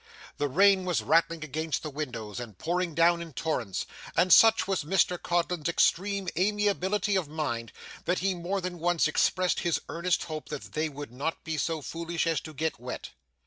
The rain was rattling against the windows and pouring down in torrents, and such was Mr Codlin's extreme amiability of mind, that he more than once expressed his earnest hope that they would not be so foolish as to get wet.